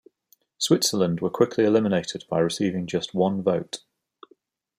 Switzerland were quickly eliminated by receiving just one vote.